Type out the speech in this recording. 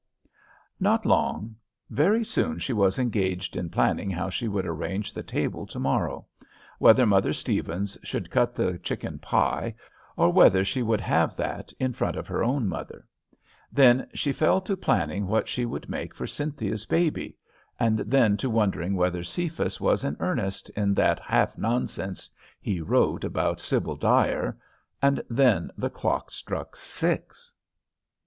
Not long. Very soon she was engaged in planning how she would arrange the table to morrow, whether Mother Stevens should cut the chicken pie, or whether she would have that in front of her own mother. Then she fell to planning what she would make for Cynthia's baby, and then to wondering whether Cephas was in earnest in that half nonsense he wrote about Sibyl Dyer, and then the clock struck six!